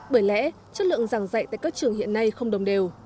bởi lẽ chất lượng giảng dạy tại các trường hiện nay không đồng đều